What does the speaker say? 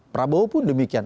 prabowo pun demikian